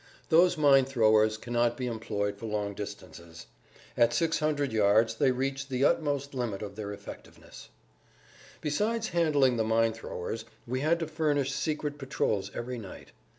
Those mine throwers cannot be employed for long distances; at 600 yards they reach the utmost limit of their effectiveness. Besides handling the mine throwers we had to furnish secret patrols every night.